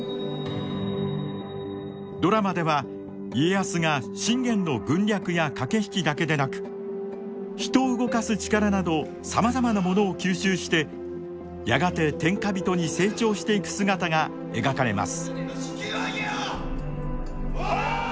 ドラマでは家康が信玄の軍略や駆け引きだけでなく人を動かす力などさまざまなものを吸収してやがて天下人に成長していく姿が描かれます。